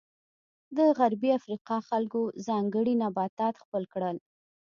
د غربي افریقا خلکو ځانګړي نباتات خپل کړل.